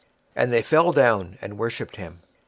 And they fell down and worshipped him.